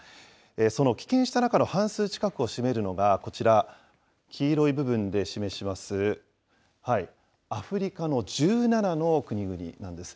その棄権した中の半数近くを占めるのがこちら、黄色い部分で示します、アフリカの１７の国々なんです。